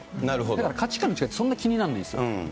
だから価値観の違いってそんな気にならないんですよ。